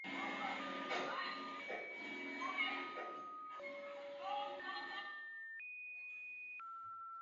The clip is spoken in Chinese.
最后李登辉做出总统直接民选的决定。